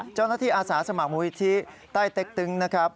เจ้าหน้าที่อาสาสมัครมภิกษ์ที่ใต้เต็กตึงนะครับ